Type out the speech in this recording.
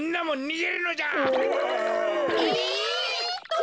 え。